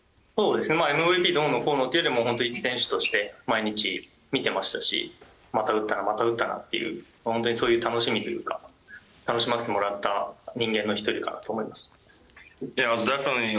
ＭＶＰどうのこうのというより選手として毎日見ていましたしまた打ったなまた打ったなという本当にそういう楽しみというか楽しませてもらった人間の１人かと思います。